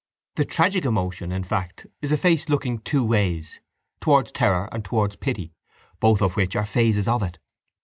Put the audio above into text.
—The tragic emotion, in fact, is a face looking two ways, towards terror and towards pity, both of which are phases of it.